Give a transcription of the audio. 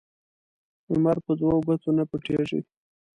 لمر په دوو گوتو نه پټېږي.